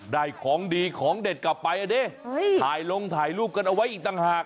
ได้ของดีของเด็ดกลับไปอ่ะดิถ่ายลงถ่ายรูปกันเอาไว้อีกต่างหาก